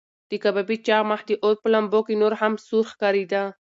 د کبابي چاغ مخ د اور په لمبو کې نور هم سور ښکارېده.